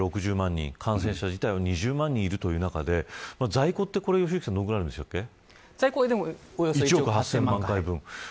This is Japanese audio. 人感染者自体は２０万人いるということで在庫って在庫は１億８０００万回分です。